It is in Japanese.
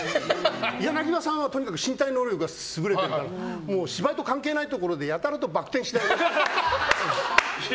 柳葉さんは、とにかく身体能力が優れてるから芝居と関係ないところでやたらとバク転してる。